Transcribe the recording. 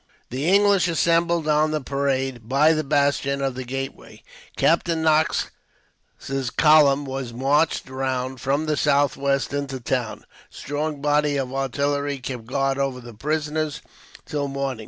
The English assembled, on the parade, by the bastion of the gateway. Captain Knox's column was marched round, from the southwest, into the town. A strong body of artillery kept guard over the prisoners till morning.